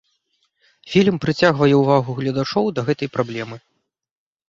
Фільм прыцягвае ўвагу гледачоў да гэтай праблемы.